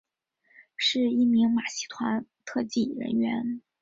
是一名马戏团特技人员。